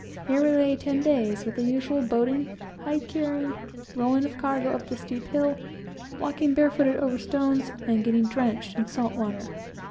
Here we lay ten days, with the usual boating, hide carrying, rolling of cargo up the steep hill, walking barefooted over stones, and getting drenched in salt water.